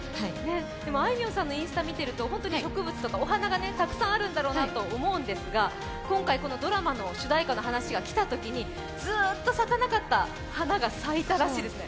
でもあいみょんさんのインスタ見てると植物とかお話がたくさんあるんだろうなと思うんですが今回、このドラマの主題歌の話が来たときにずーっと咲かなかった花が咲いたらしいですね。